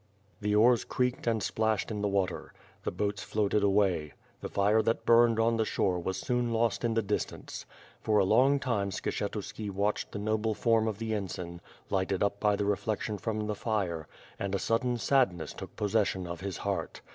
The oars creaked and splashed in the water. The boats floated away. The fire that burned on the shore was soon lost in the distance. For a long time, Skshetuski watched the noble form of the ensign, lighted up by the reflection from the fire, and a sudden sadness took possession of his heart.